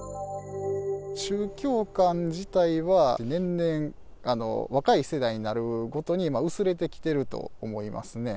宗教観自体は、年々、若い世代になるごとに薄れてきていると思いますね。